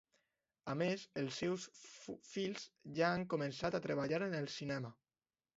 A més els seus fills ja han començat a treballar en el cinema.